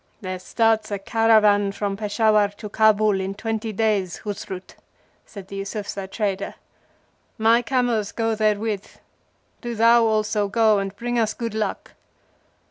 "There starts a caravan from Peshawar to Kabul in twenty days, Huzrut," said the Eusufzai trader. "My camels go therewith. Do thou also go and bring us good luck."